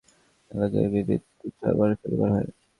সন্ধ্যা সাড়ে ছয়টা থেকে কিছু কিছু এলাকায় বিদ্যুৎ সরবরাহ শুরু করা হয়।